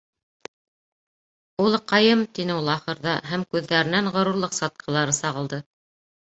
— Улыҡайым, — тине ул ахырҙа һәм күҙҙәренән ғорурлыҡ сатҡылары сағылды.